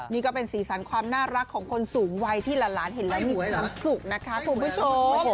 นี่ก็เป็นสีสันความน่ารักของคนสูงวัยที่หลานเห็นแล้วมีความสุขนะคะคุณผู้ชม